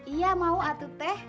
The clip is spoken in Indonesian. iya mau atuh teh